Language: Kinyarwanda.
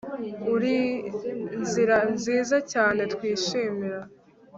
Urinzira nziza cyane twishimira